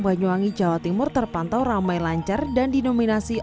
banyuwangi jawa timur terpantau ramai lancar dan dinominasi